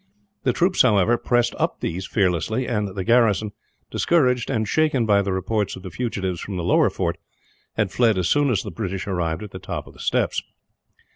The troops, however, pressed up these fearlessly; and the garrison, discouraged and shaken by the reports of the fugitives from the lower fort, had fled as soon as the British arrived at the top of the steps.